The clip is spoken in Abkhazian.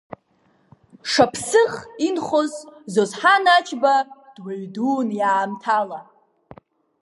Шаԥсыӷ инхоз Зосҳан Ачба дуаҩ дуун иаамҭала.